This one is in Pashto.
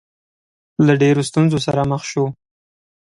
له ډېرو ستونزو سره مخ شو.